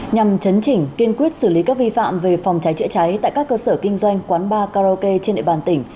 nhằm chấn chỉnh kiên quyết xử lý các vi phạm về phòng cháy chữa cháy tại các cơ sở kinh doanh quán karaoke trên địa bàn tỉnh